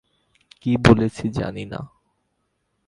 কী বলেছি জানি না।